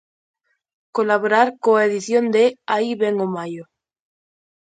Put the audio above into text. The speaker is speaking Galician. Colaborar coa edición de Aí vén o Maio!